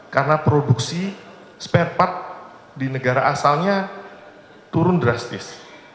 karena produksi spare part di negara asalnya turun drastis